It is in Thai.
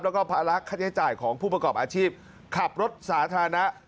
แล้วก็ภาระค่าใช้จ่ายของผู้ประกอบอาชีพขับรถสาธารณะ